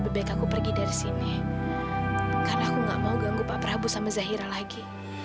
biar lu gak kabur lagi